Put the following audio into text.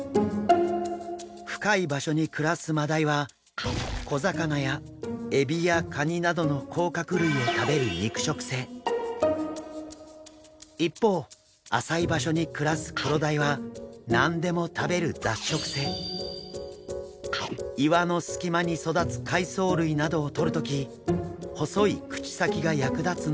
深い場所に暮らすマダイは小魚やエビやカニなどの甲殻類を食べる一方浅い場所に暮らすクロダイは何でも食べる岩の隙間に育つ海藻類などをとる時細い口先が役立つんです。